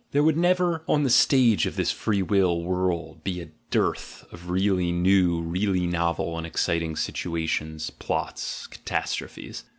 There would never on the stage of this free will world be a dearth of really new, really novel and exciting situ ations, plots, catastrophes.